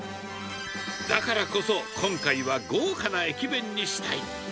だからこそ、今回は豪華な駅弁にしたい。